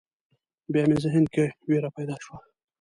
بیا مې ذهن کې وېره پیدا شوه.